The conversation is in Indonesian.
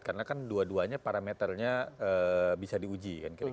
karena kan dua duanya parameternya bisa diuji